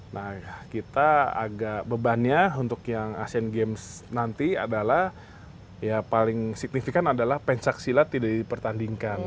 nah kita agak bebannya untuk yang asean games nanti adalah ya paling signifikan adalah pencaksilat tidak dipertandingkan